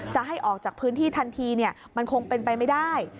จะให้ออกจากพื้นที่ทันทีมันคงเป็นไปไม่ได้